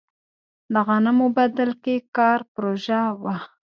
د غنمو بدل کې کار پروژه وه.